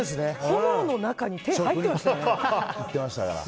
炎の中に手が入ってましたよ。